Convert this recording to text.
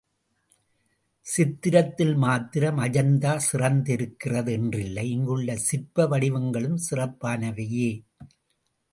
சித்திரத்தில் மாத்திரம் அஜந்தா சிறந்திருக்கிறது என்றில்லை இங்குள்ள சிற்ப வடிவங்களும் சிறப்பானவையே.